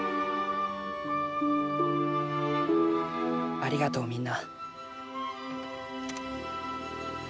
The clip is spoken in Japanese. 「ありがとうみんな」